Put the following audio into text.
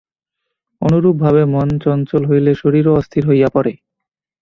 অনুরূপভাবে মন চঞ্চল হইলে শরীরও অস্থির হইয়া পড়ে।